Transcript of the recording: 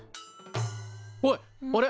おいあれ！